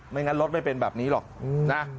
งั้นรถไม่เป็นแบบนี้หรอกนะ